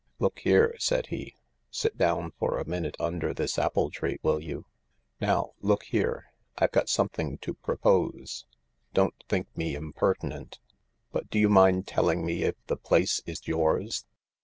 "Look here/' said he ; "sit down for a minute under this apple tree, will you ? Now look here. I've got some thing to propose. Don't think me impertinent— but do you mind telling me if the place is yours